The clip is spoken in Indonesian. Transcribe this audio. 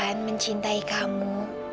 kak taufan mencintai kamu